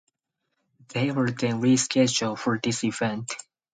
They were then rescheduled for this event.